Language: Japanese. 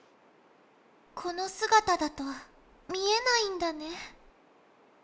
このすがただと見えないんだね。